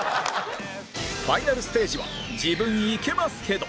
ファイナルステージは自分イケますけど！